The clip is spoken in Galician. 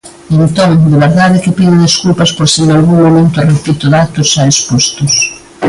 Entón, de verdade que pido desculpas por se nalgún momento repito datos xa expostos.